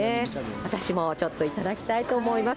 私もちょっと、頂きたいと思います。